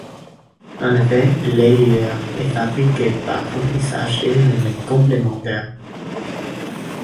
En effet, l'Héliair est fabriqué par remplissage d'hélium et complément d'air.